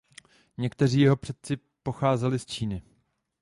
Někteří jeho předci pocházeli z Číny.